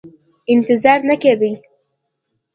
انتظار نه کېدی.